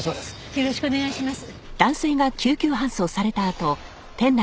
よろしくお願いします。